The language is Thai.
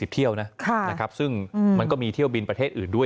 เที่ยวนะซึ่งมันก็มีเที่ยวบินประเทศอื่นด้วย